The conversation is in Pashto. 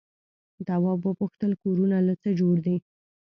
تواب وپوښتل کورونه له څه جوړ دي؟